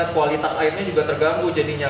kualitas airnya juga terganggu jadinya